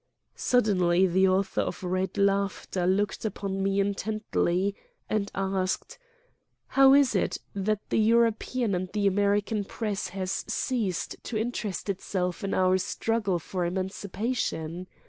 Suddenly the author of "Red Laughter" looked upon me intently, and asked : "How is it that the xiii Preface European and the American press has ceased to interest itself in our struggle for emancipation!